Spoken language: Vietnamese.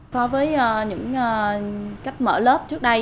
so với những cách mở lớp trước đây